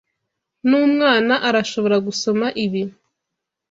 N'umwana arashobora gusoma ibi.